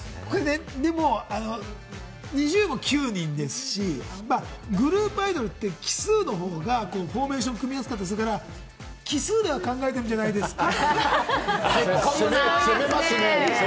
ＮｉｚｉＵも９人ですし、グループアイドルって奇数の方がフォーメーション組みやすかったりするから、奇数では考えてるんじゃないですか？